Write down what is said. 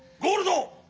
ゴールド！